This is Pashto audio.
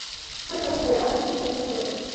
کله کله خو به يارانو پر تشو لاسونو ونيول.